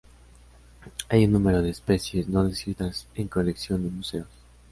Hay un número de especies no descritas en colecciones de museos.